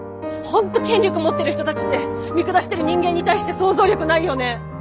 本当権力持ってる人たちって見下してる人間に対して想像力ないよね。